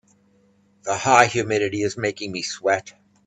The high humidity is making me sweat.